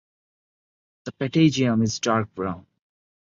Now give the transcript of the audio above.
The patagium is dark brown.